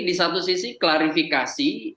di satu sisi klarifikasi